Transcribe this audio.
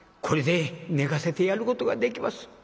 これで寝かせてやることができます。